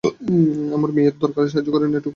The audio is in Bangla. আমার মেয়ের দরকারে সাহায্য করেনি, এটুকু বলতে পারি।